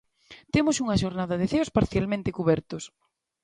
Temos unha xornada de ceos parcialmente cubertos.